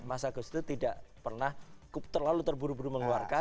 mas agus itu tidak pernah terlalu terburu buru mengeluarkan